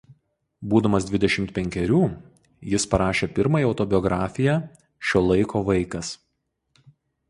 Būdamas dvidešimt penkerių jis parašė pirmąją autobiografiją "Šio laiko vaikas".